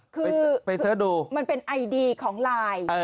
คือมันเป็นไอดีของไลน์